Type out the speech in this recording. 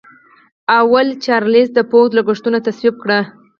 لومړي چارلېز د پوځ لګښتونه تصویب کړل.